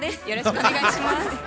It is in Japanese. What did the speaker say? よろしくお願いします。